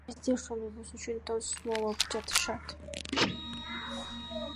Эми бизди ошонубуз үчүн тосмолоп жатышат.